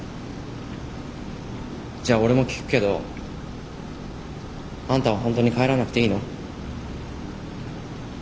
じゃあ俺も聞くけどあんたは本当に帰らなくていいの？